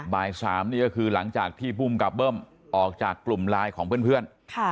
บ่าย๓นี่ก็คือหลังจากที่ภูมิกับเบิ้มออกจากกลุ่มไลน์ของเพื่อน